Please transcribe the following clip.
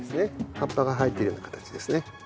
葉っぱが生えているような形ですね。